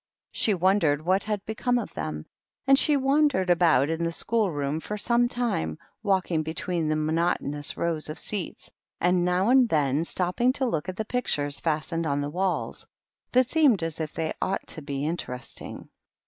She wondered what had become of them, and she wandered about in the school room for some time, walking between the monotonous rows of seats, and now and then stopping to look at the pictures fastened on the walls, that seemed as if they ought to be inter esting.